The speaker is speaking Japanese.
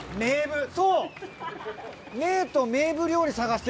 そう！